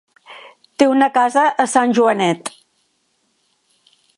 Té una casa a Sant Joanet.